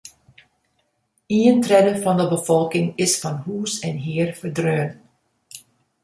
Ien tredde fan de befolking is fan hûs en hear ferdreaun.